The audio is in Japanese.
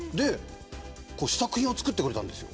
試作品を作ってくれたんです。